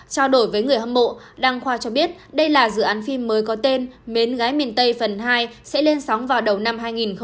trao đổi với người hâm mộ đăng khoa cho biết đây là dự án phim mới có tên mến gái miền tây phần hai sẽ lên sóng vào đầu năm hai nghìn hai mươi